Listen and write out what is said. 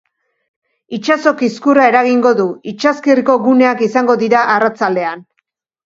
Itsaso kizkurra eragingo du, itsaskirriko guneak izango dira arratsaldean.